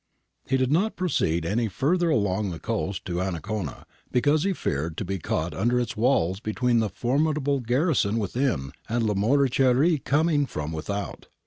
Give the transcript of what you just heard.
He did not proceed any further along the coast to Ancona, because he feared to be caught under its walls between the formidable garrison within and Lamoriciere coming from without.